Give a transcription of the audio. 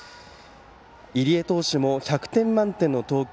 入江投手も１００点満点の投球。